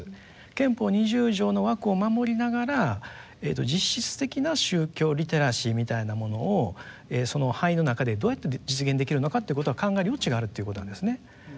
憲法二十条の枠を守りながら実質的な宗教リテラシーみたいなものをその範囲の中でどうやって実現できるのかっていうことは考える余地があるっていうことなんですね。